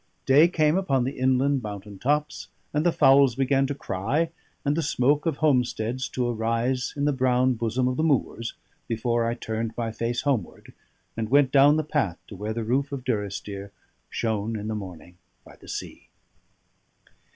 Day came upon the inland mountain tops, and the fowls began to cry, and the smoke of homesteads to arise in the brown bosom of the moors, before I turned my face homeward, and went down the path to where the roof of Durrisdeer shone in the morning by the sea.